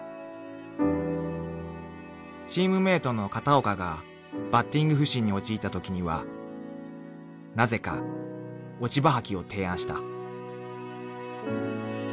［チームメートの片岡がバッティング不振に陥ったときにはなぜか落ち葉掃きを提案した］